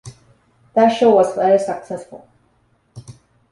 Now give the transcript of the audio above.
That show was successful.